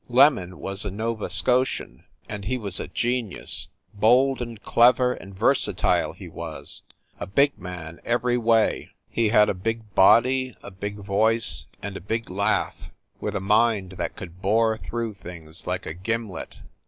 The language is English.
"Lemon" was a Nova Scotian, and he was a genius. Bold and clever and versatile he was, a big man every way. He had a big body, a big voice and a big laugh with a mind that could bore through things like a gimlet.